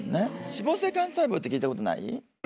脂肪幹細胞って聞いたことない？